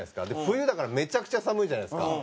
冬だからめちゃくちゃ寒いじゃないですか。